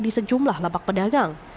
di sejumlah lapak pedagang